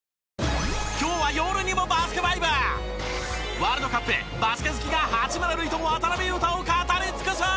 ワールドカップへバスケ好きが八村塁と渡邊雄太を語り尽くす！